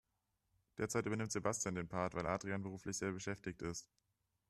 Derzeit übernimmt Sebastian den Part, weil Adrian beruflich sehr beschäftigt ist.